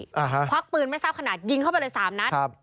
ควักปืนไม่ทราบขนาดยิงเข้าไปเลย๓นัด